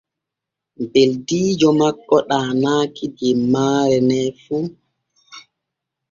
Beldiijo makko ɗaanaaki jemmaare ne fu.